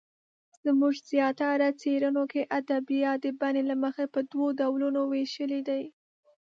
زموږ زیاتره څېړنو کې ادبیات د بڼې له مخې په دوو ډولونو وېشلې دي.